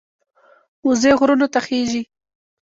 وزې غرونو ته خېژي